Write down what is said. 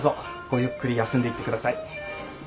ごゆっくり休んでいってください。